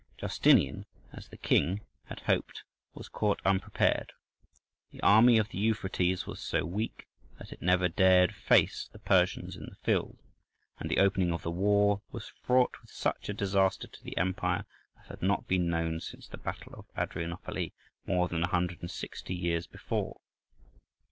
Justinian, as the king had hoped, was caught unprepared: the army of the Euphrates was so weak that it never dared face the Persians in the field, and the opening of the war was fraught with such a disaster to the empire as had not been known since the battle of Adrianople, more than a hundred and sixty years before.